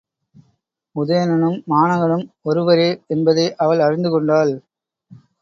உதயணனும் மாணகனும் ஒருவரே என்பதை அவள் அறிந்துகொண்டாள்.